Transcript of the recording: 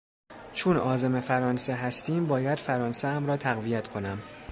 چون عازم فرانسه هستیم باید فرانسهام را تقویت کنم.